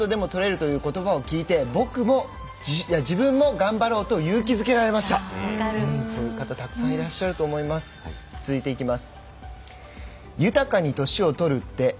という方たくさんいらっしゃると思います。